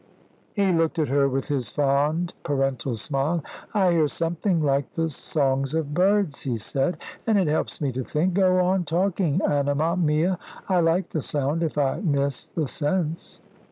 _" He looked at her with his fond parental smile. "I hear something like the songs of birds," he said; "and it helps me to think. Go on talking, anima mia. I like the sound, if I miss the sense."